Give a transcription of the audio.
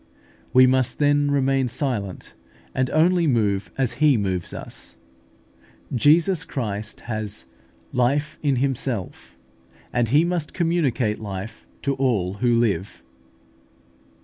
We must then remain silent, and only move as He moves us. Jesus Christ has life in Himself (John v. 26), and He must communicate life to all who live.